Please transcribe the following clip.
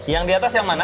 yang di atas yang mana